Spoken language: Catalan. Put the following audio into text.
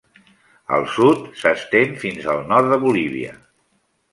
Al sud, s'estén fins al nord de Bolívia.